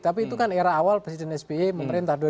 tapi itu kan era awal presiden sbe memerintah